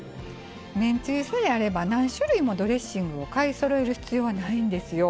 めんつゆさえあれば何種類もドレッシングを買いそろえる必要はないんですよ。